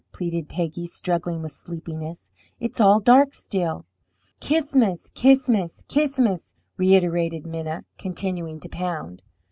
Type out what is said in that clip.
pleaded Peggy, struggling with sleepiness. "It's all dark still." "Ch'is'mus, Ch'is'mus, Ch'is'mus!" reiterated Minna continuing to pound.